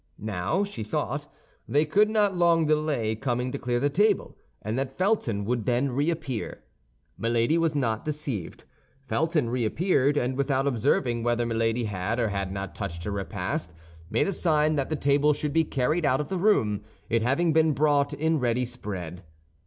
Now, she thought, they could not long delay coming to clear the table, and that Felton would then reappear. Milady was not deceived. Felton reappeared, and without observing whether Milady had or had not touched her repast, made a sign that the table should be carried out of the room, it having been brought in ready spread.